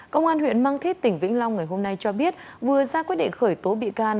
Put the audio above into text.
công an huyện mang thít tỉnh vĩnh long ngày hôm nay cho biết vừa ra quyết định khởi tố bị can